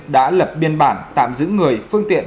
đã lập biên bản tạm giữ người phương tiện